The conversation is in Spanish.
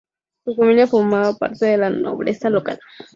Su familia formaba parte de la nobleza local.